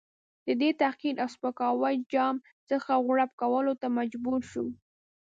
دی د تحقیر او سپکاوي جام څخه غوړپ کولو ته مجبور شو.